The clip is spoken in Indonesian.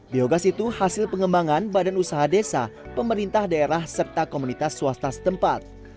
biogas itu hasil pengembangan badan usaha desa pemerintah daerah serta komunitas swasta setempat